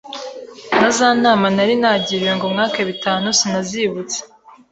na za nama nari nagiriwe ngo mwake bitanu sinazibutse,